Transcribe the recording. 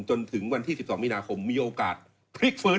จนถึงวันที่๑๒มีนาคมมีโอกาสพลิกฟื้น